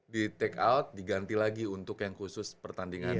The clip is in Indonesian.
di take out diganti lagi untuk yang khusus pertandingan